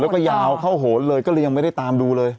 แล้วก็ยาวเข้าโหนเลยก็เลยยังไม่ได้ตามดูเลย